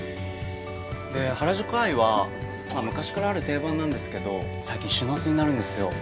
で『原宿アイ』はまあ昔からある定番なんですけど最近品薄になるんですよ。